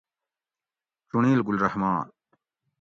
چُنڑیل :گل رحمان